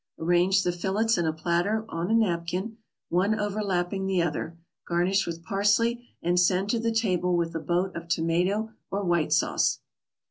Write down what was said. Arrange the fillets in a platter on a napkin, one overlapping the other; garnish with parsley and send to the table with a boat of tomato or white sauce.